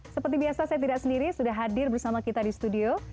seperti biasa saya tidak sendiri sudah hadir bersama kita di studio